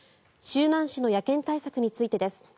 周南市の野犬対策についてです。